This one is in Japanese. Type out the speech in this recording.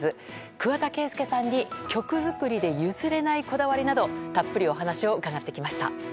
桑田佳祐さんに曲作りで譲れないこだわりなどたっぷりお話を伺ってきました。